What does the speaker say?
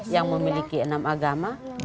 yang memiliki enam agama